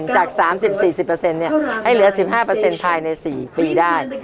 จาก๓๐๔๐เปอร์เซ็นต์เนี่ยให้เหลือ๑๕เปอร์เซ็นต์ภายใน๔ปีได้